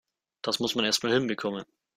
Das muss man erst mal hinbekommen!